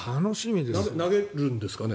投げるんですかね